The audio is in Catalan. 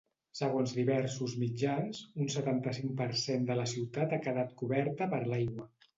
Segons diversos mitjans, un setanta-cinc per cent de la ciutat ha quedat coberta per l’aigua.